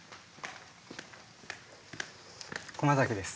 駒崎です。